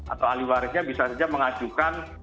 atau ahli warisnya bisa saja mengajukan